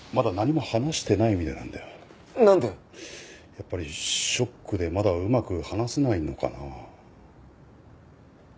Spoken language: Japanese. やっぱりショックでまだうまく話せないのかな。